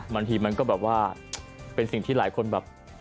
บางทีมันก็แบบว่าเป็นสิ่งที่หลายคนแบบ